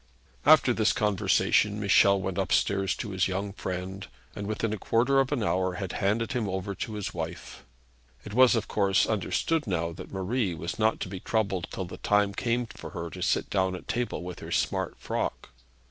After this conversation, Michel went upstairs to his young friend, and within a quarter of an hour had handed him over to his wife. It was of course understood now that Marie was not to be troubled till the time came for her to sit down at table with her smart frock.